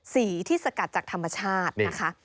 สีที่สกัดจากธรรมชาตินะคะ